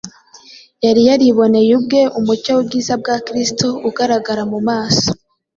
yari yariboneye ubwe umucyo w’ubwiza bwa Kristo ugaragara mu maso